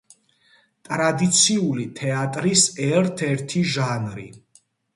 ტრადიციული თეატრის ერთ-ერთი ჟანრი.